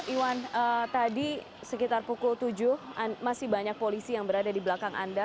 iwan tadi sekitar pukul tujuh masih banyak polisi yang berada di belakang anda